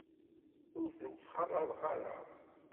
Ur tent-ttxalaḍet ara.